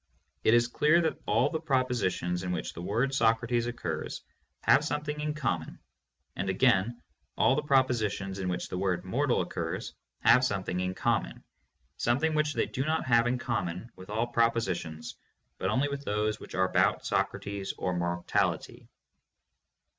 It is clear that all the propositions in which the word "Socrates" occurs have something in common, and again all the propositions in which the word "mortal" occurs have something in com mon, something which they do not have in common with 514 THE MONIST. all facts but only to those which are about Socrates or mor tality.